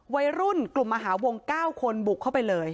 วัยรุ่นกลุ่มมหาวง๙คนบุกเข้าไปเลย